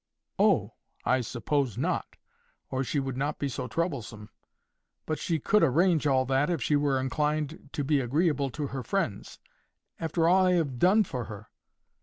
"Oh! I suppose not, or she would not be so troublesome. But she could arrange all that if she were inclined to be agreeable to her friends. After all I have done for her!